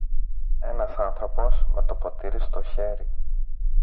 Ένας άνθρωπος, με το ποτήρι στο χέρι